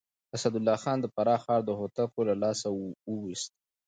اسدالله خان د فراه ښار د هوتکو له لاسه وويست.